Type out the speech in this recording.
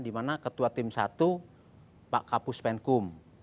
dimana ketua tim satu pak kapus penkum